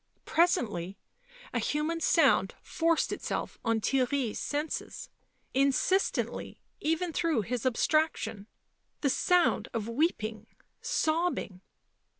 Presently a human sound forced itself on Theirry 7 s senses, insistently, even through his abstraction. The sound of weeping, sobbing.